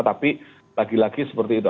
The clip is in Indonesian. tapi lagi lagi seperti itu